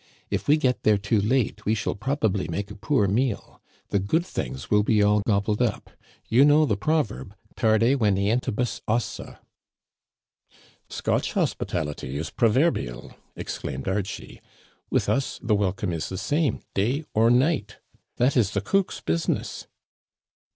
If we get there too late, we shall probably make a poor meal. The good things will be all gobbled up. You know the proverb, tarde venientibus ossa. " Scotch hospitality is proverbial," exclaimed Archie. With us the welcome is the same day or night. That is the cook's business."